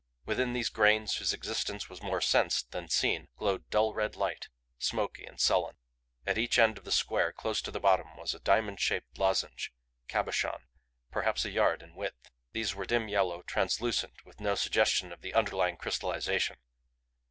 Within these grains whose existence was more sensed than seen glowed dull red light, smoky and sullen. At each end of the square, close to the bottom, was a diamond shaped lozenge, cabochon, perhaps a yard in width. These were dim yellow, translucent, with no suggestion of the underlying crystallization.